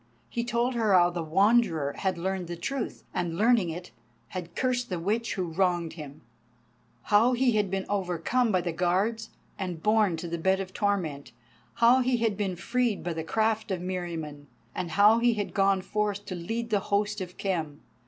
He told her how the Wanderer had learned the truth, and learning it, had cursed the witch who wronged him; how he had been overcome by the guards and borne to the bed of torment; how he had been freed by the craft of Meriamun; and how he had gone forth to lead the host of Khem.